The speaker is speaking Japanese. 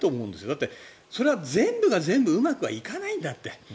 だって、それは全部が全部うまくはいかないんだって。